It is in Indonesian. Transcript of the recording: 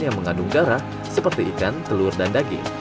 yang mengandung garam seperti ikan telur dan daging